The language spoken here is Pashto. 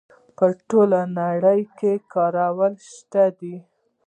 په ټوله نړۍ کې کارول شوې ده.